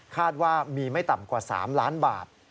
คาดว่ามีไม่ต่ำกว่า๓ล้านบาท